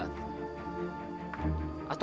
atau rusa itu yang berlari cepat